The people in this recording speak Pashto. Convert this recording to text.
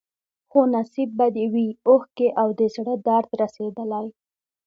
خو نصیب به دي وي اوښکي او د زړه درد رسېدلی